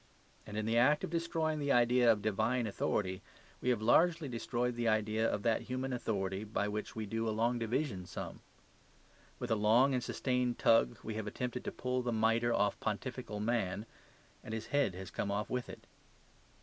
And in the act of destroying the idea of Divine authority we have largely destroyed the idea of that human authority by which we do a long division sum. With a long and sustained tug we have attempted to pull the mitre off pontifical man; and his head has come off with it.